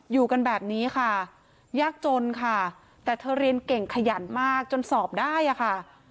อยู่กันแบบนี้ค่ะยากจนค่ะแต่เธอเรียนเก่งขยันมากจนสอบได้อะค่ะ